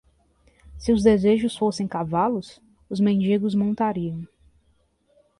Se os desejos fossem cavalos?, os mendigos montariam.